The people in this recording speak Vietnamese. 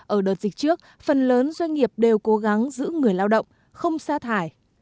ở đợt dịch trước phần lớn doanh nghiệp đều cố gắng giữ người lao động không xa thải